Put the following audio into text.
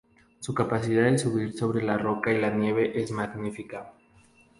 Su capacidad de subir sobre la roca y la nieve es magnífica.